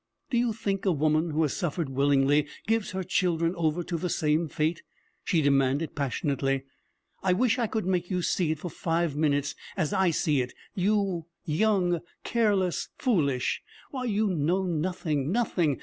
'Do you think a woman who has suffered willingly gives her children over to the same fate?' she demanded passionately. 'I wish I could make you see it for five minutes as I see it, you, young, careless, foolish! Why, you know nothing nothing!